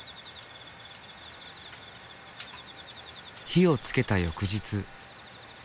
火をつけた翌日。